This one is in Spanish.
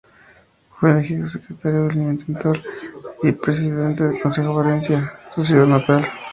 Fue elegido secretario del Interior y presidente del Consejo de Valencia, su ciudad natal.